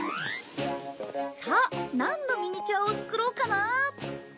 さあなんのミニチュアを作ろうかな。